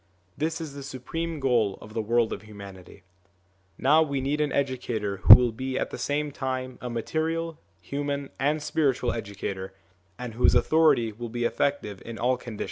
This is the supreme goal of the world of humanity. Now we need an educator who will be at the same time a material, human, and spiritual educator, and whose authority will be effective in all conditions.